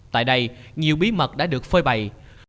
tại đây nhiều bí mật đã được phơi bày